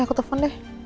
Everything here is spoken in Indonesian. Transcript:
aku telfon deh